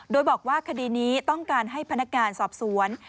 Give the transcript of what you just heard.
โดยบอกว่าคดีนี้ต้องการให้พนักงานสอบสวน